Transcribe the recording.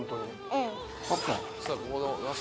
うん。